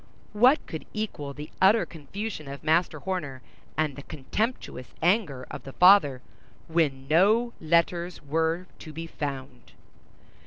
What could equal the utter confusion of Master Horner and the contemptuous anger of the father, when no letters were to be found!